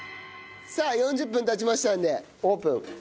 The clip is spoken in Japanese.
さあ４０分経ちましたのでオープン！